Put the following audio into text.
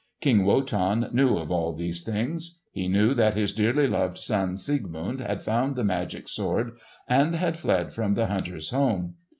King Wotan knew of all these things. He knew that his dearly loved son Siegmund had found the magic sword, and had fled from the hunter's home.